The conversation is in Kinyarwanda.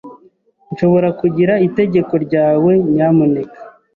Nshobora kugira itegeko ryawe, nyamuneka?